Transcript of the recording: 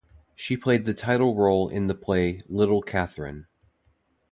She played the title role in the play "Little Catherine".